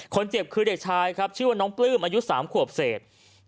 คนเจ็บคือเด็กชายครับชื่อว่าน้องปลื้มอายุ๓ขวบเศษ